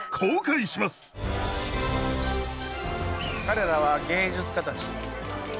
彼らは芸術家たち。